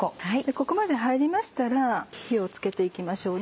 ここまで入りましたら火をつけて行きましょう。